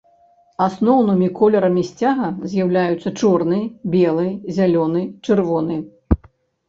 Асноўнымі колерамі сцяга з'яўляюцца чорны, белы, зялёны, чырвоны.